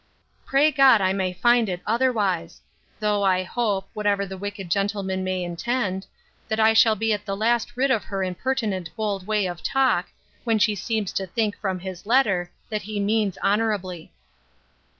Pray God I may find it otherwise! Though, I hope, whatever the wicked gentleman may intend, that I shall be at last rid of her impertinent bold way of talk, when she seems to think, from his letter, that he means honourably.